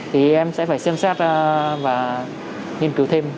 thì em sẽ phải xem xét và nghiên cứu thêm